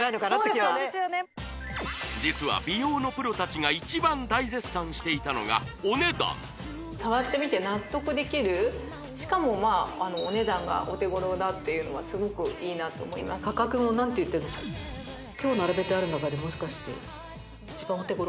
気は実は美容のプロ達が一番大絶賛していたのがお値段触ってみて納得できるしかもまあお値段がお手頃だっていうのはすごくいいなと思います価格も何といっても今日並べてある中でもしかして一番お手頃！？